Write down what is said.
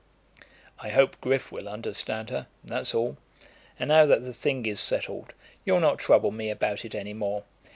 "I hope Griff will understand her, that's all. And now that the thing is settled, you'll not trouble me about it any more.